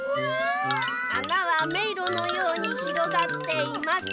「あなはめいろのようにひろがっています。